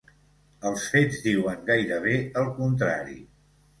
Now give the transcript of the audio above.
Els fets diuen gairebé el contrari.